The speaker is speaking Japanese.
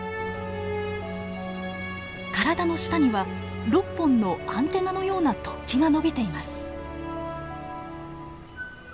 体の下には６本のアンテナのような突起が伸びています。